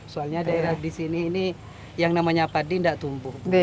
soalnya daerah di sini ini yang namanya padi tidak tumbuh